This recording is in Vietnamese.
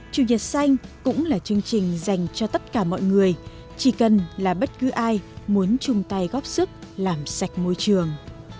chủ nhật xanh cũng là chương trình dành cho tất cả mọi người chỉ cần là bất cứ ai muốn chung tay góp sức làm sạch môi trường